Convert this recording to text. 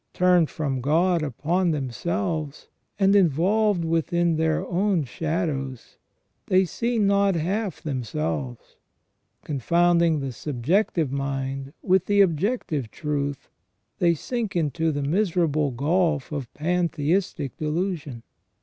Turned from God upon themselves, and involved within their own shadows, they see not half themselves ; confounding the subjective mind with the objective truth, they sink into the miserable gulf of pantheistic delusion.